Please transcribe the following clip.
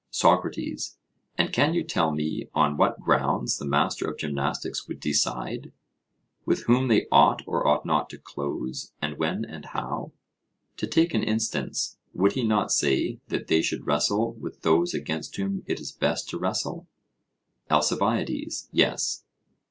SOCRATES: And can you tell me on what grounds the master of gymnastics would decide, with whom they ought or ought not to close, and when and how? To take an instance: Would he not say that they should wrestle with those against whom it is best to wrestle? ALCIBIADES: Yes.